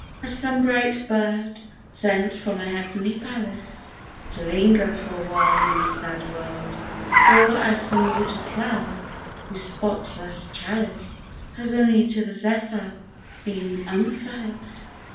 As some bright bird, sent from a heavenly palace To linger for a while in this sad world, Or as some water flower, whose spotless chalice Has only to the zephyr been unfurPd.